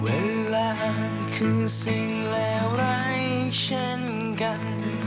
เวลาคือสิ่งแล้วไรเช่นกัน